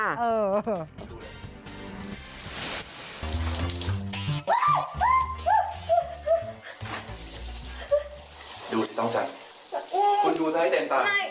เออ